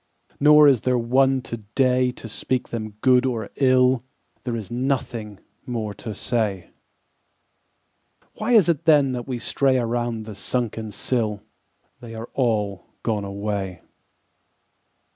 Nor is there one today To speak them good or ill: There is nothing more to say. Why is it then we stray Around the sunken sill? They are all gone away.